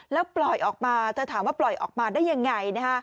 แล้วปล่อยออกมาเธอถามว่าปล่อยออกมาได้ยังไง